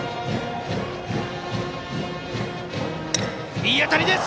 いい当たりです！